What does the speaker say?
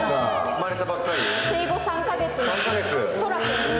生後３か月のソラ君です。